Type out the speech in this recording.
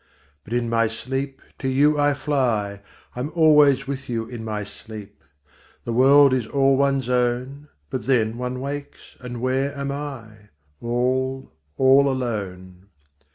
5 But in my sleep to you I fly: I'm always with you in my sleep! The world is all one's own. But then one wakes, and where am I? All, all alone.